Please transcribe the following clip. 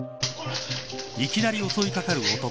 いきなり襲いかかる男。